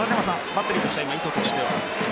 バッテリーとしては意図としては？